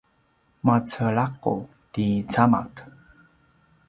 macelaqut ti camak